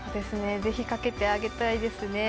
ぜひかけてあげたいですね。